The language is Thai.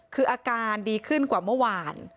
คืออาการดีขึ้นกว่าเมื่อวาน